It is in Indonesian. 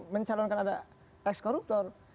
mencalonkan ada ekskoruptor